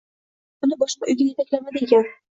Uni boshqa uyga yetaklamadi ekan?